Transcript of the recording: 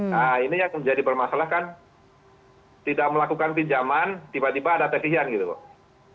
nah ini yang menjadi bermasalah kan tidak melakukan pinjaman tiba tiba ada tagihan gitu pak